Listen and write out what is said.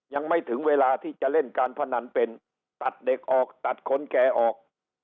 ยังไม่ถึงเวลาที่จะเล่นการพนันเป็นตัดเด็กออกตัดคนแก่ออก